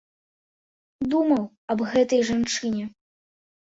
Думаў аб гэтай жанчыне.